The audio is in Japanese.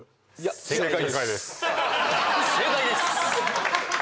正解です